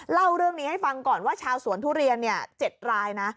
เล่าเรื่องนี้ให้ฟังก่อนว่าชาวสวนทุเรียน๗รายนะ